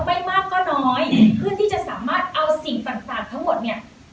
ไม่มากก็น้อยเพื่อที่จะสามารถเอาสิ่งต่างทั้งหมดเนี่ย